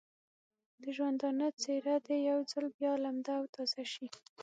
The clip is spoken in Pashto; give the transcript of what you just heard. د ژوندانه څېره دې یو ځل بیا لمده او تازه شي.